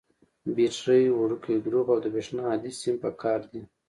بټرۍ، وړوکی ګروپ او د برېښنا هادي سیم پکار دي.